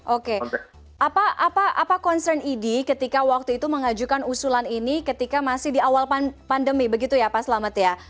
oke apa concern idi ketika waktu itu mengajukan usulan ini ketika masih di awal pandemi begitu ya pak selamet ya